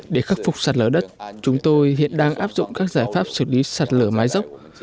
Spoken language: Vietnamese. để khắc phục sạt lở đất chúng tôi hiện đang áp dụng các giải pháp xử lý sạt lở mái dốc